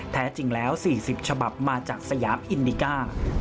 แท้จริงแล้ว๔๐ฉบับมาจากสยามอินดิก้า